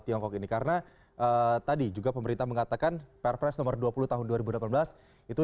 tiongkok ini karena tadi juga pemerintah mengatakan perpres nomor dua puluh tahun dua ribu delapan belas itu